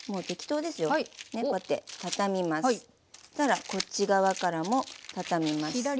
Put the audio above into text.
そしたらこっち側からも畳みます。